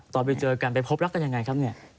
ตอนไปเจอกันไปพบรักกันยังไงครับเนี่ย